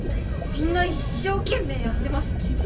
みんな一生懸命やってます